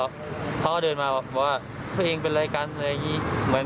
เขาก็เดินมาบอกว่าตัวเองเป็นอะไรกันอะไรอย่างนี้